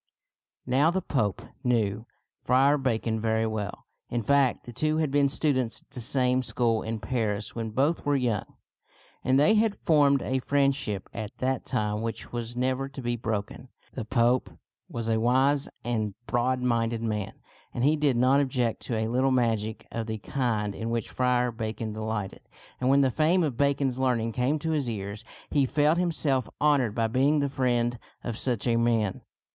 Now the Pope knew Friar Bacon very well. In fact, the two had been students at the same school in Paris when both were young. They had formed a friendship at that time which was never to be broken. The Pope was a wise and broad minded man, and he did not object to a little magic of the FRIAR BACON AND THE BRAZEN HEAD 69 kind in which Friar Bacon delighted; and when the fame of Bacon's learning came to his ears he felt himself honored by being the friend of such a man.